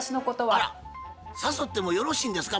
あら誘ってもよろしいんですか？